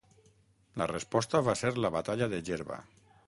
La resposta va ser la Batalla de Gerba.